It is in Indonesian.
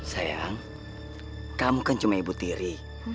sayang kamu kan cuma ibu tiri